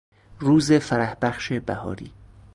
روز فرحبخش بهاری